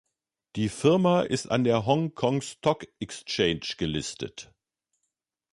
Die Firma ist an der Hong Kong Stock Exchange gelistet.